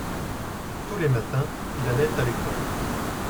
tous les matins il allait à l'école.